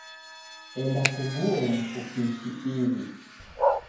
Enda kuguo mfu pishi iw'i